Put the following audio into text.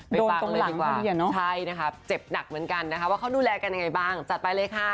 ฟังเลยดีกว่าใช่นะคะเจ็บหนักเหมือนกันนะคะว่าเขาดูแลกันยังไงบ้างจัดไปเลยค่ะ